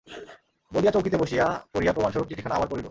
বলিয়া চৌকিতে বসিয়া পড়িয়া প্রমাণস্বরূপ চিঠিখানা আবার পড়িল।